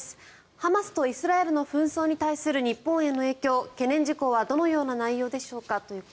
ハマスとイスラエルの紛争に対する日本への影響、懸念事項はどのような内容でしょうか。